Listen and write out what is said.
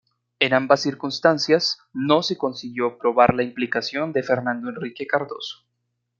En ambas circunstancias, no se consiguió probar la implicación de Fernando Henrique Cardoso.